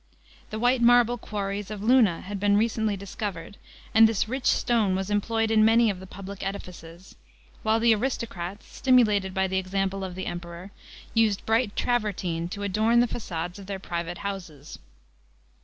The white marble quarries of Luna had been recently discovered and this rich stone was employed in many of the public edifices ; while the aristocrats, stimulated by the example of the Emperor, used bright travertine to adorn the f^ades of their private houses.